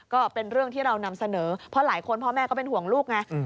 ก็เป็นเรื่องที่เรานำเสนอเพราะหลายคนพ่อแม่ก็เป็นห่วงลูกไง